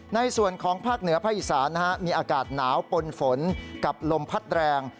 ในส่วนของภาคเหนือภาคอีสานมีอากาศหนาวปนฝนกับลมพัดแรง